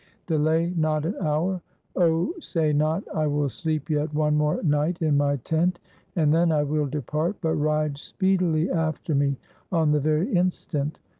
Delay not an hour. Oh, say not, 'I will sleep yet one more night in my tent, and then I will depart,' but ride speedily after me on the very instant.